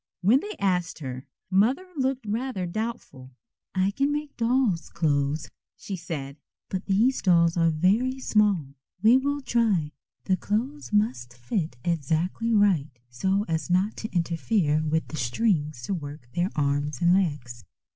When they asked her, Mother looked rather doubtful. "I can make dolls' clothes," she said, "but these dolls are very small. We will try. The clothes must fit exactly right so as not to interfere with the strings to work their arms and legs."